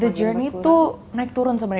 the journey itu naik turun sebenarnya